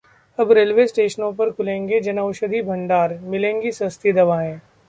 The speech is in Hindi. अब रेलवे स्टेशनों पर खुलेंगे जन औषधि भंडार, मिलेंगी सस्ती दवाएं